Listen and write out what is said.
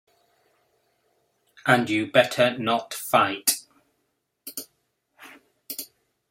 And you better not fight.